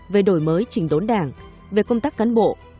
về đổi mới trình đốn đảng về công tác cán bộ